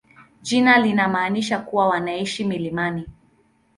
Jina linamaanisha kuwa wanaishi milimani.